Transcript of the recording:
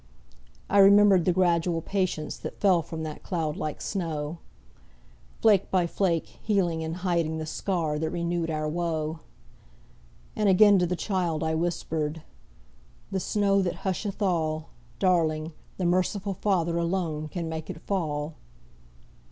I remembered the gradual patience That fell from that cloud like snow, Flake by flake, healing and hiding The scar that renewed our woe. And again to the child I whispered, 'The snow that husheth all, Darling, the merciful Father Alone can make it fall!'